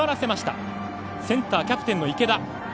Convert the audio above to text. センターキャプテンの池田。